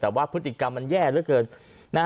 แต่ว่าพฤติกรรมมันแย่เยอะเกิน